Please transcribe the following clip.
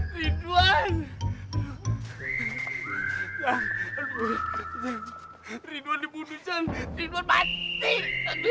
rituan dibunuh rituan mati